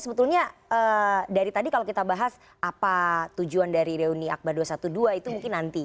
sebetulnya dari tadi kalau kita bahas apa tujuan dari reuni akbar dua ratus dua belas itu mungkin nanti